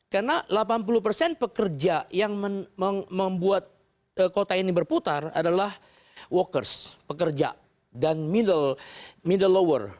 karena delapan puluh persen pekerja yang membuat kota ini berputar adalah workers pekerja dan middle lower